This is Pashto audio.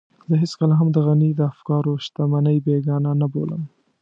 زه هېڅکله هم د غني د افکارو شتمنۍ بېګانه نه بولم.